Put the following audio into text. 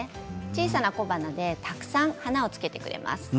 小さな小花でたくさん花をつけてくれます。。